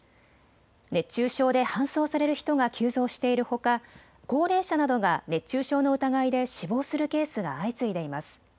熱中症で搬送される人が急増しているほか高齢者などが熱中症の疑いで死亡するケースが相次いでいます。